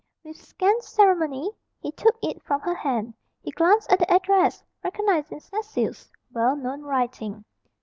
With scant ceremony he took it from her hand. He glanced at the address recognising Cecil's well known writing.